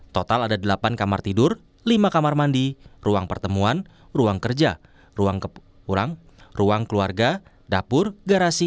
total ada delapan kamar tidur lima kamar mandi ruang pertemuan ruang kerja ruang ruang keluarga dapur garasi